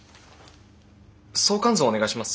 相関図をお願いします。